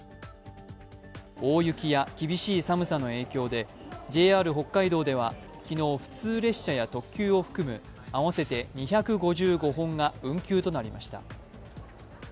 大雪や厳しい寒さの影響でＪＲ北海道では昨日普通列車や特急を含む合わせて２５５本が運休となりました。